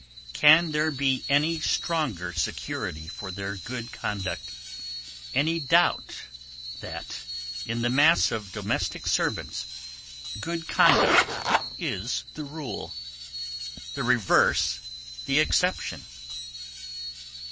Can there be any stronger security for their good conduct, any doubt that, in the mass of domestic servants, good conduct is the rule, the reverse the exception?